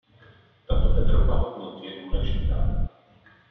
Tato Evropa hodnot je důležitá.